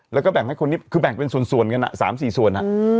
แล้วก็แบ่งให้คนนี้คือแบ่งเป็นส่วนส่วนกันอ่ะสามสี่ส่วนอ่ะอืม